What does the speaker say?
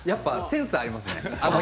センスがありますね。